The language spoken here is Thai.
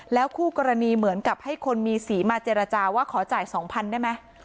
คู่กรณีเหมือนกับให้คนมีสีมาเจรจาว่าขอจ่าย๒๐๐ได้ไหม